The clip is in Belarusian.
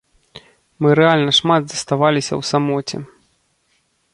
Мы рэальна шмат заставаліся ў самоце.